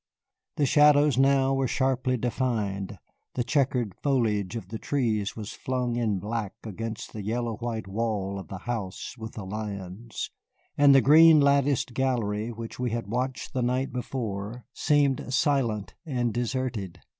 The shadows now were sharply defined, the checkered foliage of the trees was flung in black against the yellow white wall of the house with the lions, and the green latticed gallery which we had watched the night before seemed silent and deserted.